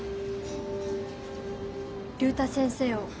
竜太先生を。